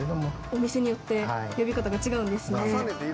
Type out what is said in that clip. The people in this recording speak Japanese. お店によって呼び方が違うんですね。